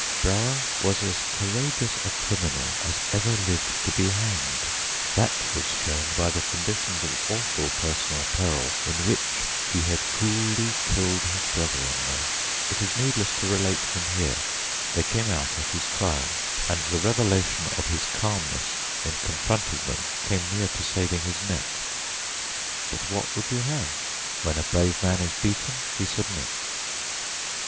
Brower was as courageous a criminal as ever lived to be hanged; that was shown by the conditions of awful personal peril in which he had coolly killed his brother in law. It is needless to relate them here; they came out at his trial, and the revelation of his calmness in confronting them came near to saving his neck. But what would you have?—when a brave man is beaten, he submits.